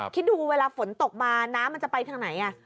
คิดดูเวลาฝนตกมาน้ำมันจะไปทางไหน